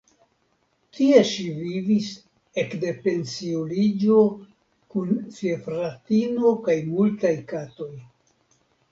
Tie ŝi vivis ekde pensiuliĝo kun sia fratino kaj multaj katoj.